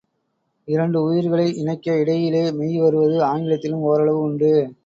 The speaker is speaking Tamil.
இரண்டு உயிர்களை இணைக்க இடையிலே மெய் வருவது ஆங்கிலத்திலும் ஓரளவு உண்டு.